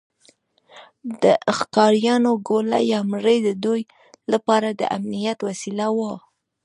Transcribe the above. د ښکاریانو ګوله یا مړۍ د دوی لپاره د امنیت وسیله وه.